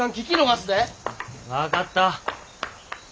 分かった。